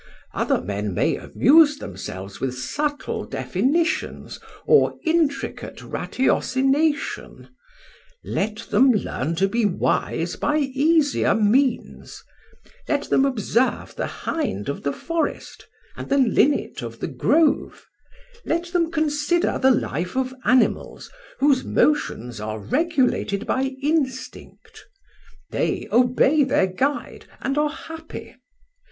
Other men may amuse themselves with subtle definitions or intricate ratiocination. Let them learn to be wise by easier means: let them observe the hind of the forest and the linnet of the grove: let them consider the life of animals, whose motions are regulated by instinct; they obey their guide, and are happy.